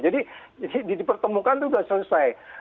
jadi dipertemukan itu sudah selesai